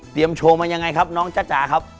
โชว์มายังไงครับน้องจ้าจ๋าครับ